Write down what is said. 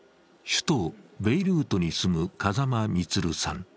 首都ベイルートに住む風間満さん。